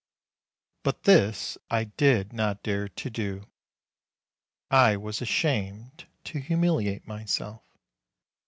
But this I did not dare to do; I was ashamed to humiliate myself.